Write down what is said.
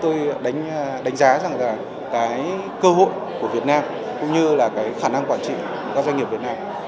tôi đánh giá rằng là cái cơ hội của việt nam cũng như là cái khả năng quản trị các doanh nghiệp việt nam